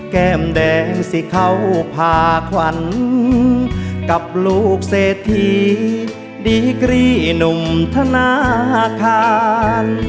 แก้มแดงสิเขาพาขวัญกับลูกเศรษฐีดีกรีหนุ่มธนาคาร